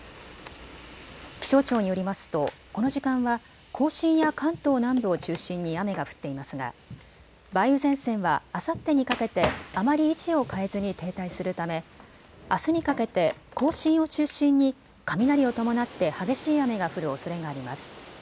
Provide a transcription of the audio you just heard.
気象庁によりますとこの時間は甲信や関東南部を中心に雨が降っていますが梅雨前線はあさってにかけてあまり位置を変えずに停滞するため、あすにかけて甲信を中心に雷を伴って激しい雨が降るおそれがあります。